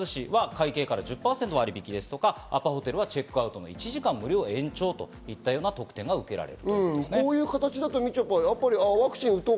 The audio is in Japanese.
かっぱ寿司は会計から１０％割引ですとか、アパホテルはチェックアウト１時間無料延長などの特典が受けられる。